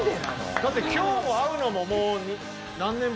だって今日も会うのももう何年ぶり。